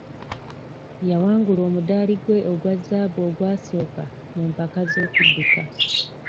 Yawangula omudaali gwe ogwa zzaabu ogwasooka mu mpaka z'okudduka.